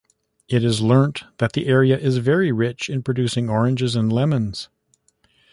It is learnt that the area is very rich in producing oranges and lemons.